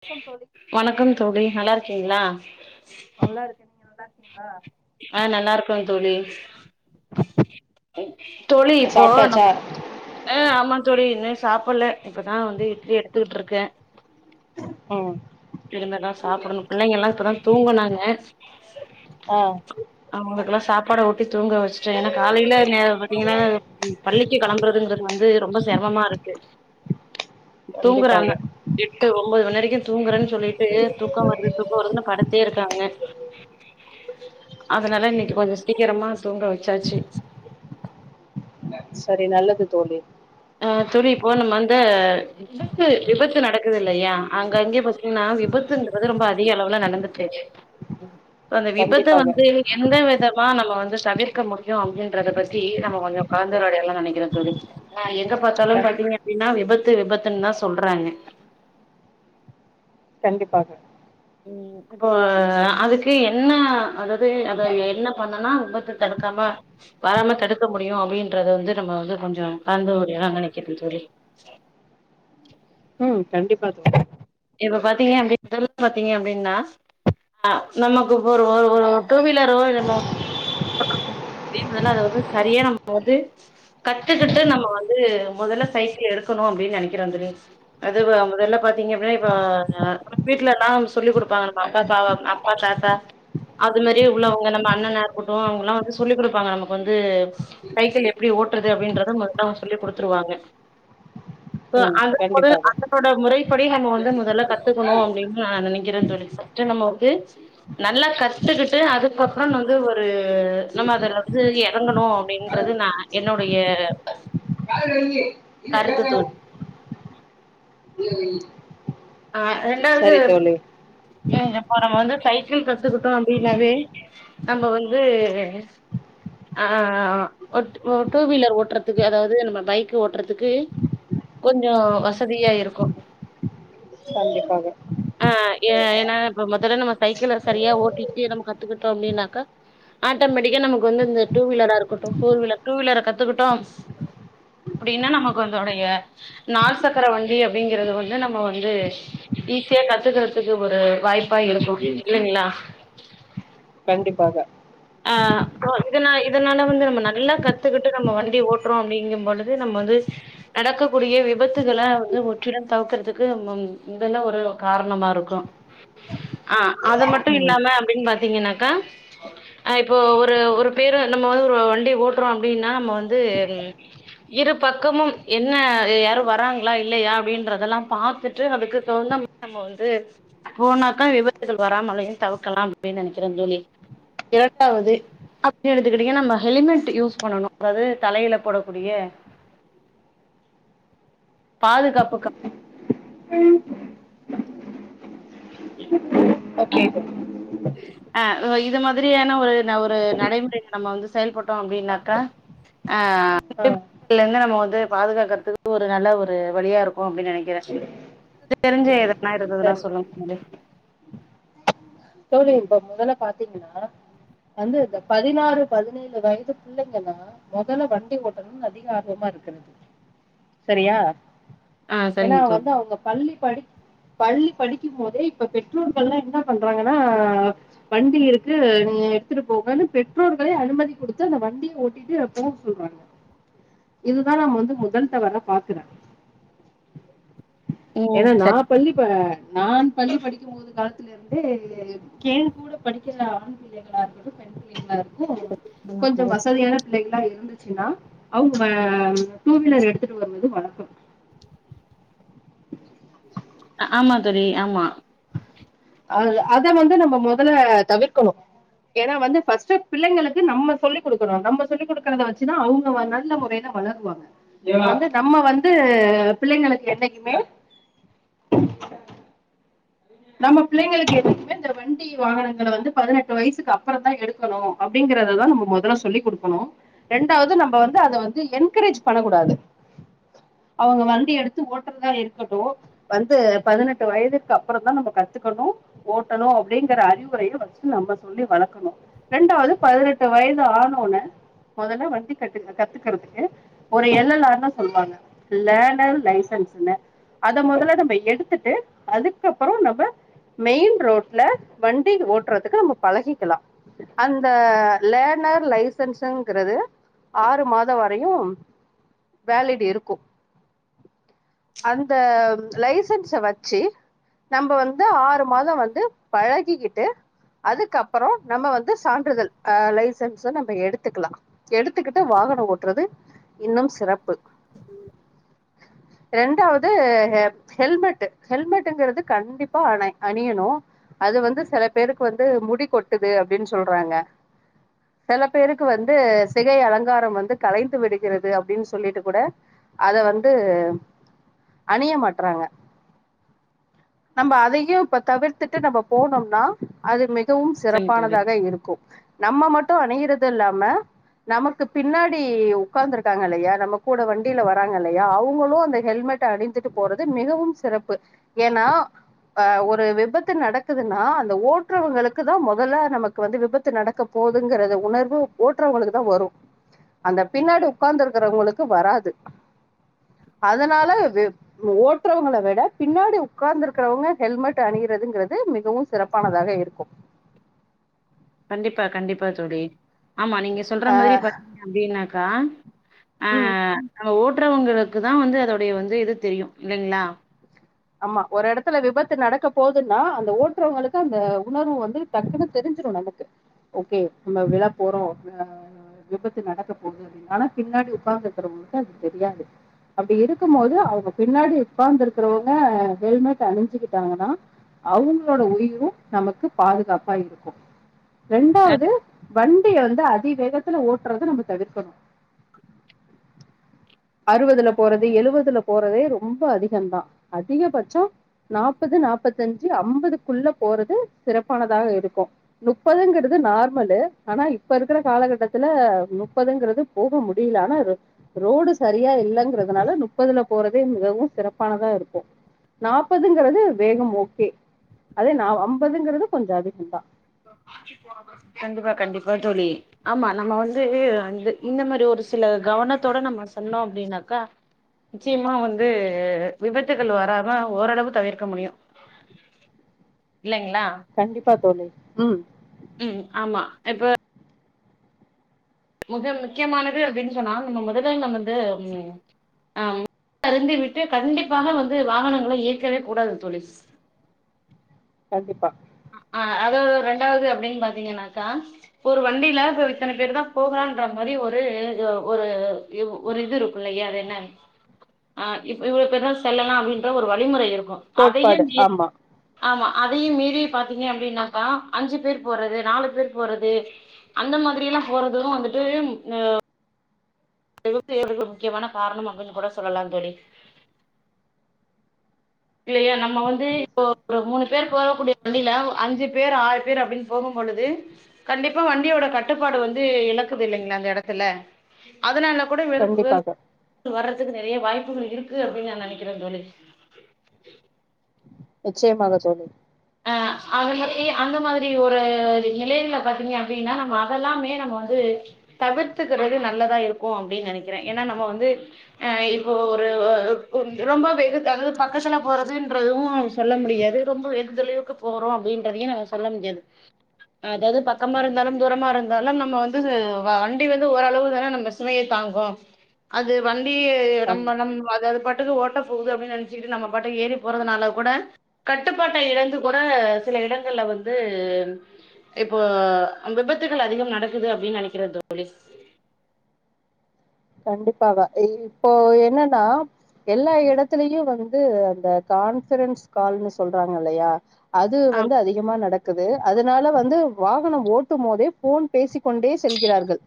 வணக்கம் தோழி வணக்கம் தோழி நல்லாருக்கீங்களா நல்லாருக்கே நீங்க நல்லாருக்கீங்களா ஆ நல்லாருக்கோ தோழி தோழி இப்போ சாப்ட்டாச்சா நம்ம ஆ ஆமா தோழி இன்னு சாப்பிட்ல இப்பதா வந்து இட்லி எடுத்துட்டுருக்கே அ இனிமே தா சாப்டணு பிள்ளைங்கல்லா இப்பதா தூங்குனாங்க ஆ அவுங்களுக்கெல்லா சாப்பாடு ஊட்டி தூங்க வச்ட்டே ஏன்னா காலைல நேர பாத்தீங்கன்னா பள்ளிக்கு க்கு கிளம்பறதுங்கறது வந்து ரொம்ப சிரமமாருக்கு தூங்குறாங்க கண்டிப்பாக எட்டு ஒன்போது மணி வரைக்கு தூங்குறேன்னு சொல்லிட்டு தூக்கோ வருது தூக்கோ வருதுன்னு படுத் தேருக்காங்க அதனால இன்னிக்கு கொஞ்சோ சீக்கிரமா தூங்க வச்சாச்சு சரி நல்லது தோழி அ தோழி இப்போ நம்ம அந்த விபத்து விபத்து நடக்குது இல்லயா அங்க அங்கே பாத்தீங்கன்னா விபத்துங்கறது ரொம்ப அதிக அளவுல நடந்துட்ருக்கு இப்ப அந்த விபத்து கண்டிப்பாக வந்து எந்த விதமா நம்ம வந்து தவிர்க்க முடியு அப்டின்றத பத்தி நம்ம கொஞ்சோ கலந்துரையாடலா நெனைக்கறே தோழி அ எங்க க பாத்தாலு பாத்தீங்க அப்டின்னா விபத்து விபத்துன்னு தா சொல்றாங்க கண்டிப்பாக ம் இப்போ அதுக்கு என்ன அதாவது அத என்ன பண்ணனா விபத்து தடுக்காம வராம தடுக்க முடியூ அப்டின்றத வந்து நம்ம வந்து கொஞ்சோ கலந்து உரையாடலா நெனைக்கிறே தோழி ம் கண்டிப்பாக தோழி இப்ப பாத்தீங்க அப்டி [unintelligible] பாத்தீங்க அப்டின்னா ஆ நமக்கு இப்ப ஒரு டூ வீலரோ இல்ல போட்டோ அப்டினா அதெல்ல அது வந்து சரியா நம்ம வந்து கத்துக்குட்டு நம்ம வந்து முதல்ல சைக்கிள் எடுக்கணு அப்டின்னு நெனைக்கிறே தோழி அது மொதல்ல பாத்தீங்க இப்ப வீட்ல எல்லாம் சொல்லி் குடுப்பாங்க நம்ம அப்பா பாவா அப்பா தாத்தா அது மாரி உள்ளவங்க நம்ம அண்ணனா இர்க்கட்டு அவுங்க எல்லா வந்து சொல்லி் குடுப்பாங்க நமக்கு வந்து சைக்கிள் எப்டி ஓட்றது அப்டின்றத முதல்ல அவுங்க முதல்ல சொல்லி குடுத்துருவாங்க ம் அந்த போது கண்டிப்பாக அதனோட முறைப்படி நம்ம வந்து முதல்ல கத்துக்கணு அப்டின்னு நா நெனைக்கிறே தோழி ஃபரஸ்டு நம்ம பேச்சி நல்லா கத்துக்கிட்டு அதுக்கப்றம் வந்து ஒரு நம்ம அதுல வந்து எறங்கணு அப்டின் ன்றது நா என்னொடைய காதுல இருக்கு இது கேக்காது ய [inaudible] ஆ ரெண்டாவது இப்போ நம்ம வந்து சைக்கிள் கத்துக்கிட்டோ அப்டினாவே நம்ம வந்து ஆ டூ வீலர் ஓட்றதுக்கு அதாது நம்ம பைக்கு ஓட்றதுக்கு கொஞ்சோ வசதியாருக்கு கண்டிப்பாக ஆ ஏன்னா இப்ப மொதல்ல நம்ம சைக்கெள சரியா ஓட்டிட்டு நம்ம கத்துக்கிட்டோ அப்டின்னாக்க ஆட்டோமேட்டிக்கா நமக்கு வந்து இந்த டூ வீலரா இருக்கட்டு ஃபோர் வீலர் டூ வீலர கத்துக்குட்டோ அப்புடின்னா நமக்கு அந்தோடைய நால் சக்கர வண்டி அப்டிங்கிறது ஒன்னு நம்ம வந்து ஈஸியா கத்துக்கறதுக்கு ஒரு வாய்ப்பா இருக்கு இல்லங்களா கண்டிப்பாக ஆ இப்போ இதுனா இதுனால வந்து நம்ம நல்லா கத்துக்கிட்டு நம்ம வண்டி ஓட்டுறோ அப்டிங்கும்பொழுது நம்ம வந்து நடக்கக்கூடிய விபத்துகள வந்து முற்றிலும் தவுக்குறதுக்கு இதெல்லா ஒரு காரணமா இருக்கு அ அத மட்டு ம் இல்லாம அப்டின்னு பாத்திங்கன்னாக்கா அ இப்போ ஒரு ஒரு பேரு நம்ம வந்து ஒரு வண்டி ஓட்றோ அப்டின்னா நம்ம வந்து இரு பக்கமும் என்ன யாரு வராங்களா இல்லையா அப்டின்றதெல்லா பாத்துட்டு அதுக்கு தகுந்த நம்ம வந்து போனாக்க விபத்துகள் வராமலையு தவுக்கலாம் அப்டின் நெனைக்கிறே தோழி இரண்டாவது அப்டின் எடுத்துக்கிட்டிங்கன்னா நம்ம ஹெலிமென்ட் யூஸ் பண்ணனு அதாவ்து தலையில போடக்கூடிய பாதுகாப்புக்கா ஓகே தோழி [inaudible] அ இது மாதிரியான ஒரு ஒரு நடைமுறைக்கு நம்ம வந்து செயல்பட்டோ அப்டின்னாக்கா அ அ இதுலர்ந்து நம்ம வந்து பாதுகாக்கற்துக்கு ஒரு நல்ல ஒரு வழியா இருக்கு அப்டின் நெனக்கிறே தெருஞ்ச எதனா இருந்ததுனா சரி சொல்லங்க தோழி தோழி இப்ப முதல்ல பாத்தீங்கன்னா வந்து இந்த பதினாறு பதினேழு வயது பிள்ளைங்கள்லா மொதல்ல வண்டி ஓட்டணுன் அதிக ஆர்வமா இருக்கிறது செரியா ஆ ஏன்னா சரிங்க தோழி வந்து அவுங்க பள்ளி படிக் பள்ளி படிக்கும் போதே இப்ப பெற்றோர்கள்லா என்னா பண் ண்றாங்கன்னா வண்டி இருக்கு நீங்கெ எடுத்துட்டு போங்கன்னு பெற்றோர்களே அனுமதி குடுத்து அந்த வண்டிய ஒட்டிட்டு போக சொல்றாங்க இதுதா நம்ம வந்து முதல் தவறா பாக்குறே ஏன்னா ம் நா சரி பள்ளி ப நான் பள்ளி படிக்கும் போது காலத்துல இது வந்து கேள் கூட படிக்கிற ஆண் பிள்ளைகளா இருக்கட்டு பெண் பிள்ளைகளா இருக் கு கொஞ்சொ வசதியான பிள்ளைகலா இருந்துச்சின்னா அவுங்க டூ வீலர் எடுத்துட்டு வருவது வழக்கம் ஆமா தோழி ஆமா அத அத வந்து நம்ம மொதல்ல தவிர்க்கணு ஏன்னா வந்து ஃபர்ஸ்ட் பிள்ளைங்களுக்கு நம்ம சொல்லி குடுக்கணும் நம்ம சொல்லி குடுக்கறத வச்சிதா அவுங்க நல்ல முறையில வளருவாங்க வந்து நம்ம வந்து பிள்ளைங்களுக்கு என்னைக்குமே நம்ம பிள்ளைங்களுக்கு என்னைக்குமே இந்த வண்டி வாகனங்கள வந்து பதினெட்டு வயசுக்கு அப்புறம் தான் எடுக் க்கணும் அப்படிங்கறதா நம்ம முதல்ல சொல்லி் குடுக்கணும் ரெண்டாவது நம்ம வந்து அத வந்து என்கரேஜ் பண்ணக் கூடாது அவுங்க வண்டி எடுத்து ஓட்டுறதா இருக்கட்டும் வந்து பதினெட்டு வயதுக்கு அப்புறம் தா நம்ம கத்துக்கணும் ஓட்டணும் அப்படிங்கிற அறிவுரையை ஃபர்ஸ்ட் நம்ம சொல்லி வளக்கணும் ரெண்டாவது பதினெட்டு வயது ஆனவுன்ன மொதல்ல வண்டி கட்டு கத்துக்கறதுக்கு ஒரு எல் எல் ஆர்னு சொல்லுவாங்க லேர்னர் லைசன்ஸ்ன அத மொதல்ல நம்ம எடுத்துட்டு அது க்கப்பறொ நம்ம மெயின் ரோட்ல வண்டி ஓட்றதுக்கு நம்ம பழகிக்கலா அந்த லேர்னர் லைசன்ஸங்கிறது ஆறு மாத வரையு வேலிட் இருக்கு அந்த லைசன்ஸ வச்சு நம்ப வந்து ஆறு மாத வந்து பழகிக்கிட்டு அதுக்கப்பறொ நம்ம வந் சான்றிதழ் அஹ லைசன்ஸ் நம்ம எடுத்துக்கலாம் எடுத்துக்கிட்டு வாகனம் ஓட்டுறது இன்னும் சிறப்பு ரெண்டாவது ஹெல்மெட் ஹெல்மட் மெட்ங்குறது கண்டிப்பா அணியணும் அது வந்து சில பேருக்கு வந்து முடி கொட்டுது அப்டின்னு சொல்றாங்க சில பேருக்கு வந்து சிகை அலங்காரம் கலைந்து விடுகிறது அப்டின்னு சொல்லிட்டு கூட அத வந்து அணிய மாட்றாங்க நம்ம அதையும் இப்ப தவிர்த்துட்டு நம்ம போனோம்னா அது மிகவும் சரிங்க தோழி சிறப்பானதாக இருக்கும் நம்ம மட்டும் அணியிறது இல்லாம நமக்கு பின்னாடி உக்காந்து இருக்காங்க இல்லையா நம்ம கூட வண்டியில வராங்க இல்லையா அவுங்களும் அந்த ஹெல்மெட் மெட் அணிந்துட்டு போறது மிகவும் சிறப்பு ஏன்னா ஆ ஒரு விபத்து நடக்குதுன்னா அந்த ஓட்டுறவங்களுக்கு தான் முதல்ல நமக் கு வந்து விபத்து நடக்க போதுங்கறத உணர்வு ஓட்றவங்களுக்கு தான் வரும் அந்த பின்னாடி உக்காந்து இருக்கறவங்களுக்கு வராது அதனால ஓட்றவங்கள விட பின்னாடி பின்னாடி உக்காந்து இருக்கிறவங்க ஹெல்மெட் அணியிறதுங்கிறது மிகவும் சிறப்பானதாக இருக்கும் கண்டிப்பா கண்டிப்பா தோழி ஆமா நீங்க சொல்ற ஆ மாரி பாத்தீங்க அப்டின்னாக்கா ம் அ நம்ம ஓட்றவங்களுக்கு தான் வந்து அதோடைய வந்து இது தெரியும் இல்லைங்களா ஆமா ஒரு இடத்துல விபத்து நடக்க போகுதுன்னா அந்த ஓட்றவங்களுக்கு அந்த உணர்வு வந்து டக்குன்னு தெரிஞ்சிரும் நமக்கு ஓகே நம்ம விழப் போறோம் விபத்து நடக்க போகுது அப்டின்னா பின்னாடி உக்காந்து இருக்கறவங்களுக்கு அது தெரியாது அப்படி இருக்கும் போது அவுங்க பின்னாடி உக்காந்து இருக்கிறவங்க ஹெல்மெட் அணிஞ்சிக்கிட்டாங்கன்னா அவங்களோட உயிரும் நமக்கு பாதுகாப்பா இருக்கும் ரெண்டாவது கண்டிப்பா வண்டிய வந்து அதி வேகத்துல ஓட்டுறத நம்ம தவிர்க்கணும் அறுபதுல போறது எழுபதுல போறது ரெம்ப அதிகம்தா அதிகபட்சம் நாப்பது நாப்பத்தி அஞ்சி ஐம்பதுக்குள்ள போறது சிறப்பானதாக இருக்கும் முப்பதுங்கிறது நார்மலு ஆனா இப்ப இருக்கிற காலகட்டத்துல முப்பதுங்குறது போக முடியல ஆனா அது ரோடு சரியா இல்லங்கறதுனால முப்பதுல போறதே மிகவும் சிறப்பானதா இருக்கும் நாப்பதுங்கிறது வேகம் ஓகே அதே நான் ஐம்பதுங்கிறது கொஞ்சம் அதிகம் தா கண்டிப்பா கண்டிப்பா தோழி ஆமா நம்ம வந்து இந்த மாரி ஒரு சில கவனத்தோட நம்ம சொன்னோம் அப்டின்னாக்கா நிச்சயமா வந்து விபத்துகள் வராம ஓரளவு தவிர்க்க முடியும் இல்லைங்களா கண்டிப்பா தோழி ம் ம் ஆமா இப்ப மிக முக்கியமானது அப்டின்னு சொன்னா நம்ம முதலே நம்ம வந்து உ ஆ மது அருந்தி விட்டு கண்டிப்பாக வந்து வாகனங்களை இயற்கவே கூடாது தோழி கண்டிப்பா ஆ அதோ அதோ ரெண்டாவது அப்டின்னு பாத்தீங்கன்னாக்கா ப்ப ஒரு வண்டியில இப்ப இத்தனை பேர் தான் போகறான்ற மாரி ஒரு ஒரு வ் ஒரு இது இருக்கு இல்லையா அது என்ன ஆ இப் இவ்ளோ பேர்தா செல்லலா அப்டின்ற ஒரு வழிமுறை இருக்கூ அதையு கோட்பாடு மீர் ஆமா ஆமா அதையு மீறி பாத்தீங்க அப்படின்னாக்கா அஞ்சு பேர் போறது நாலு பேர் போறது அந்த மாதிரி எல்லா போறதும் வந்துட்டு வர்கள் முக்கியமான காரணம் அப்டின்னு கூட சொல்லலா தோழி இல்லையா நம்ம வந்து இப்போ ஒரு மூணு பேர் போகக்கூடிய வண்டில அஞ்சு பேர் ஆறு பேர் அப்டின்னு போகும் பொழுது கண்டிப்பா வண்டியோட கட்டுப்பாடு வந்து இழக்குது இல்லைங்களா அந்த இடத்துல அதனால கூட விருப்பு கண்டிப்பாக வர்றதுக்கு நிறைய வாய்ப்புகள் இருக்கு அப்படின்னு நான் நினைக்கிறே தோழி நிச்சயமாக தோழி அ அந்த மாதிரி அந்த மாதிரி ஒரு நிலையில பாத்தீங்க அப்படின்னா நம்ம அதெல்லாமே நம்ம வந்து தவிர்த்துக்கறது நல்லதா இருக்கு அப்டின்னு நினைக்கிறே ஏன்னா நம்ம வந்து அ இப்போ ஒரு ரொம்ப வெகு அதாவது பக்கத்துல போறதுன்றதுவு சொல்ல முடியாது ரொம்பவே தொலைவுக்கு போறோ அப்டின்றதையு சொல்ல முடியாது அதாவது பக்கமா இருந்தாலு தூரமா இருந் தாலு நம்ம வந்து வண்டி வந்து ஓரளவு தான நம்ம சுமையே தாங்கு அது வண்டி கண் நம்ம நம் அ அது பாட்டுக்கு ஓட்ட போகுது அப்படின்னு நினைச்சிட்டு நம்ம பாட்டம் ஏறி போறதுனால கூட கட்டுப்பாட் ட இழந்து கூட சில இடங்கள்ல வந்து இப்போ விபத்துகள் அதிகம் நடக்குது அப்டின்னு நினைக்கிறே தோழி கண்டிப்பாக இப்போ என்னன்னா எல்லா இடத்துலயு வந்து அந்த கான்பரன்ஸ் கால்னு சொல்றாங்க இல்லையா அது ஆ வந்து அதிகமா நடக் குது அதனால வந்து வாகனம் ஓட்டும் போதே போன் பேசிக் கொண்டே செல்கிறார்கள்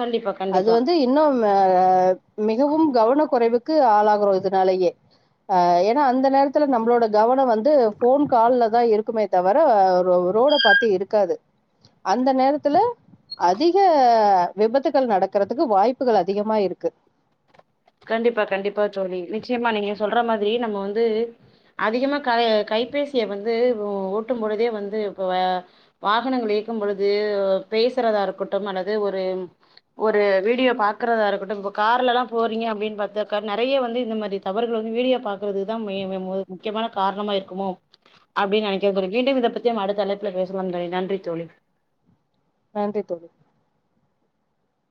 கண்டிப்பா அது கண்டிப்பா வந்து இன்னும் அ மிகவும் கவன குறைவுக்கு ஆளாகறோ இதனாலயே ஆ ஏன்னா அந்த நேரத்துல நம்மளோட கவனம் வந்து போன் கால்ல தா இருக்குமே தவிர ரோட பாத்து இருக்காது அந்த நேரத்தில அதிக விபத்துகள் நடக்கறது க்கு வாய்ப்புகள் அதிகமா இருக்கு கண்டிப்பா கண்டிப்பா தோழி நிச்சயமா நீங்க சொல்ற மாதிரி நம்ம வந்து அதிகமா க கைபேசிய வந்து ஓட்டும் பொழுதே வந்து இப்ப அ வாகனங்கள் இயக்கும் பொழுது பேசுறதா இருக்கட்டும் அல்லது ஒரு ஒரு வீடியோ பாக்குறதா இருக்கட்டு இப்ப கார்ல எல்லா போறீங்க அப்டின்னு பாத்தாக்கா நெறயா வந்து இந்த மாரி தவறுகள் வந்து வீடியோ பாக்குற்துதா மெயின் முக்கியமான காரணமா இருக்குமோ அப்டின்னு நெனைக்கற தோழி மீண்டும் இத பத்தி நம்ப அடுத்த அழைப்புல பேசலா தோழி நன்றி தோழி நன்றி தோழி